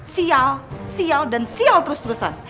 sial sial dan sial terus terusan